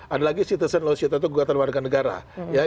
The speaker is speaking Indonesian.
ada lagi citizen lawsuit atau gugatan warga negara